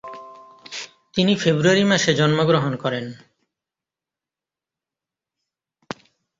তিনি ফেব্রুয়ারি মাসে জন্মগ্রহণ করেন।